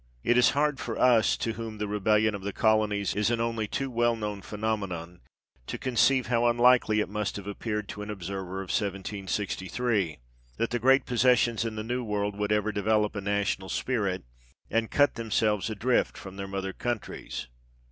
It is hard for us, to whom the rebellion of colonies is an only too well known phenomenon, to conceive how unlikely it must have appeared, to an observer of 1763, that the great posses sions in the New World would ever develop a national spirit, and cut themselves adrift from their mother countries.